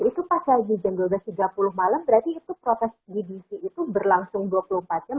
itu pas lagi jam dua belas tiga puluh malam berarti itu protes gdc itu berlangsung dua puluh empat jam